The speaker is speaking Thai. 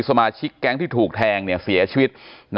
สมาชิกแก๊งที่ถูกแทงเสียชีวิต